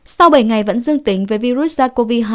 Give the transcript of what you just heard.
sau bảy ngày vẫn dương tính với virus sars cov hai